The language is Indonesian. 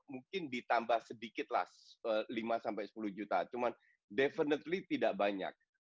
mungkin ditambah sedikit lah lima sepuluh juta cuman definitely tidak banyak